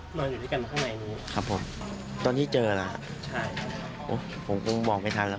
กันข้างในนี้ครับผมตอนที่เจอแล้วผมก็บอกไปทันแล้ว